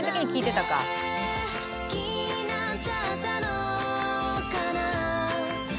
「好きになっちゃったのかなぁ」